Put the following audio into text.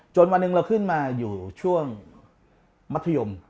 วันหนึ่งเราขึ้นมาอยู่ช่วงมัธยม